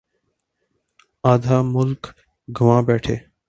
آدھا ملک گنوا بیٹھے۔